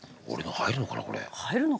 入るのかな？